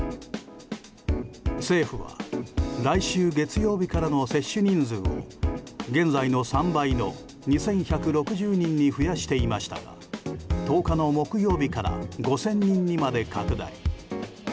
政府は来週月曜日からの接種人数を現在の３倍の２１６０人に増やしていましたが１０日の木曜日から５０００人にまで拡大。